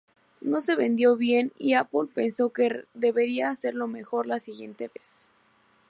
No se vendió bien y Apple pensó que debería hacerlo mejor la siguiente vez.